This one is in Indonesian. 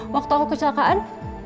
waktu aku kecelakaan